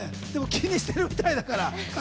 気にしているみたいだから。